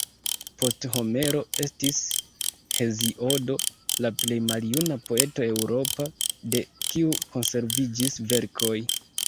Post Homero estis Heziodo la plej maljuna poeto europa, de kiu konserviĝis verkoj.